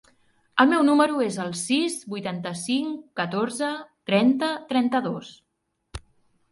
El meu número es el sis, vuitanta-cinc, catorze, trenta, trenta-dos.